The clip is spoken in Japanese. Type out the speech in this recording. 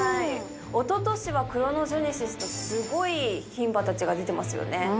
おととしはクロノジェネシスとすごい牝馬たちが出てますよね。